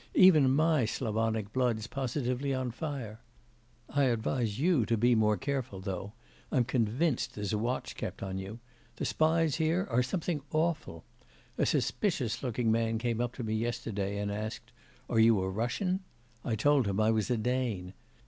Even my Slavonic blood's positively on fire! I advise you to be more careful, though; I'm convinced there's a watch kept on you. The spies here are something awful! A suspicious looking man came up to me yesterday and asked: "Are you a Russian?" I told him I was a Dane.